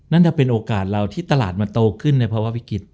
นั่นจะเป็นโอกาสเราที่ตลาดมันโตขึ้นในภาวะวิกฤต